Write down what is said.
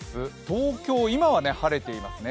東京、今は晴れていますね。